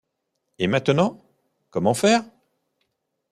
Et maintenant, comment faire ?